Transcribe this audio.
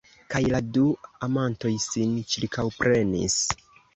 Kaj la du amantoj sin ĉirkaŭprenis.